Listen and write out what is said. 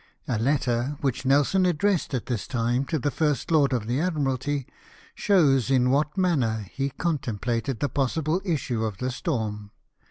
A letter which Nelst)n addressed at this time to the First Lord of the Admiralty shows in what manner he contemplated the possible issue of the storm.